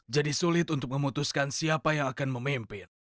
jadi sulit untuk memutuskan siapa yang akan memimpin